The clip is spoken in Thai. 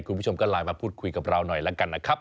คุณผู้ชมก็ไลน์มาพูดคุยกับเราหน่อยแล้วกันนะครับ